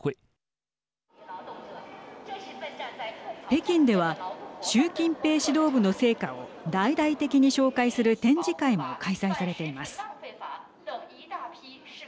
北京では習近平指導部の成果を大々的に紹介する展示会も開催されています。